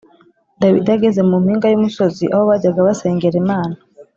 Dawidi ageze mu mpinga y’umusozi aho bajyaga basengera Imana